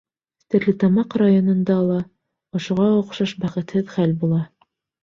Стәрлетамаҡ районында ла ошоға оҡшаш бәхетһеҙ хәл була.